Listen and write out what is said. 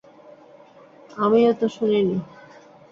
আমিও তো শুনিনি।